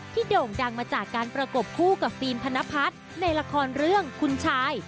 โด่งดังมาจากการประกบคู่กับฟิล์มธนพัฒน์ในละครเรื่องคุณชาย